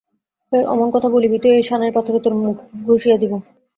ফের অমন কথা বলিবি তো এই শানের পাথরে তোর মুখ ঘষিয়া দিব।